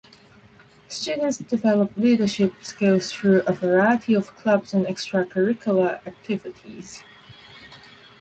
Students develop leadership skills through a variety of clubs and extracurricular activities.